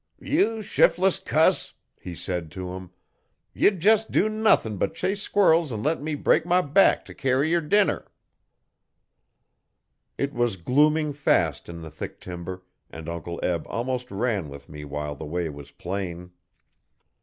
'You shif'less cuss,' he said to him, 'ye'd jes' dew nothin' but chase squirrels an' let me break my back t' carry yer dinner.' It was glooming fast in the thick timber, and Uncle Eb almost ran with me while the way was plain.